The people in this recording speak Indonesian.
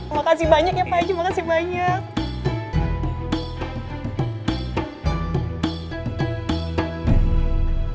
makasih banyak ya pak ji makasih banyak